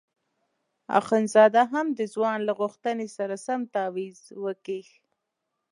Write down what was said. اخندزاده هم د ځوان له غوښتنې سره سم تاویز وکیښ.